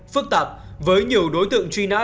phức tạp với nhiều đối tượng truy nã